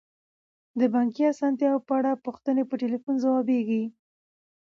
د بانکي اسانتیاوو په اړه پوښتنې په تلیفون ځوابیږي.